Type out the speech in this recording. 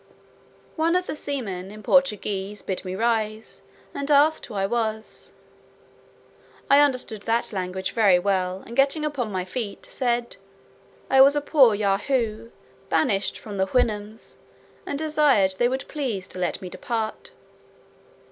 One of the seamen, in Portuguese, bid me rise, and asked who I was. I understood that language very well, and getting upon my feet, said, "I was a poor Yahoo banished from the Houyhnhnms, and desired they would please to let me depart."